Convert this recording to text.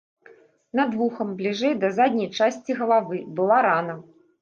Над вухам, бліжэй да задняй часці галавы, была рана.